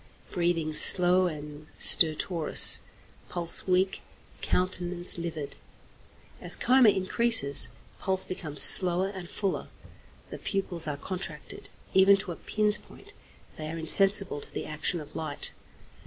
Breathing slow and stertorous, pulse weak, countenance livid. As coma increases, pulse becomes slower and fuller. The pupils are contracted, even to a pin's point; they are insensible to the action of light.